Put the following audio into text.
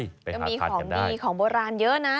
ไปหาทานกันได้จะมีของดีของโบราณเยอะนะ